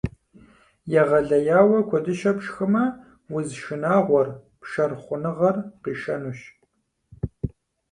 Егъэлеяуэ куэдыщэ пшхымэ, уз шынагъуэр — пшэр хъуныгъэр — къишэнущ.